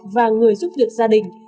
và người giúp được gia đình